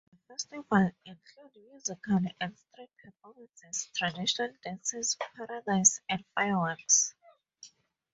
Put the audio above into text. The festivals include musical and street performances, traditional dances, parades, and fireworks.